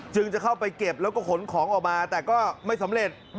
จะเข้าไปเก็บแล้วก็ขนของออกมาแต่ก็ไม่สำเร็จ